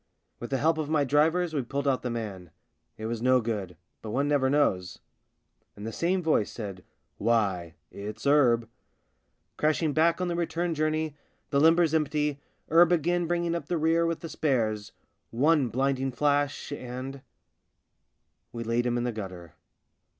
With the help of my drivers we pulled out the man. It was no good — but one never knows. And the same voice said, " Why, it's 'Erb." Crashing back on the return journey, the limbers empty, 'Erb again bringing up the rear with the spares, one blinding flash, and We laid him in the gutter.